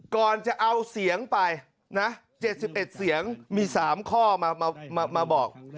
ก่อนจะเอาเสียงไปนะ๗๑เสียงมี๓ข้อมาบอก